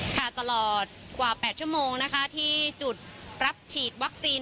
ตลอดกว่า๘ชั่วโมงนะคะที่จุดรับฉีดวัคซีน